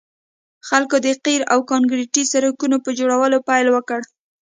خلکو د قیر او کانکریټي سړکونو په جوړولو پیل وکړ